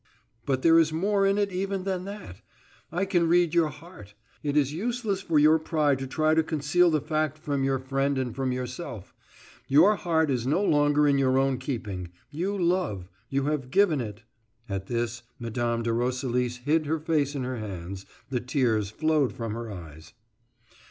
But there is more in it even than that. I can read your heart; it is useless for your pride to try to conceal the fact from your friend and from yourself. Your heart is no longer in your own keeping; you love, you have given it " At this, Mme. de Roselis hid her face in her hands; the tears flowed from her eyes.